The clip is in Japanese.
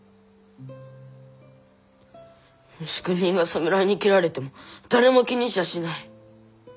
無宿人が侍に斬られても誰も気にしやしない。